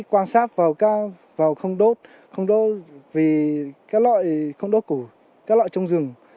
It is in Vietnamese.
quan sát vào cao vào không đốt không đốt vì các loại không đốt củ các loại trong rừng